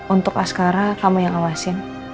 untuk askara kamu yang awasin